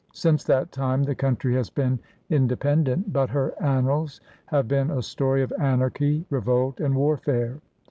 Since that time the country has been independ ent, but her annals have been a story of anarchy, revolt, and warfare.